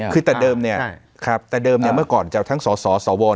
คือแต่เดิมเนี่ยเมื่อก่อนจะเอาทั้งสอสว